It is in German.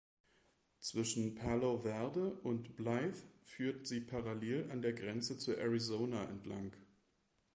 Zwischen Palo Verde und Blythe führt sie parallel an der Grenze zu Arizona entlang.